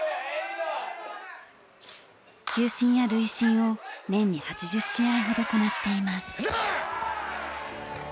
球審や塁審を年に８０試合ほどこなしています。